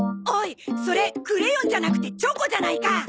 おいそれクレヨンじゃなくてチョコじゃないか！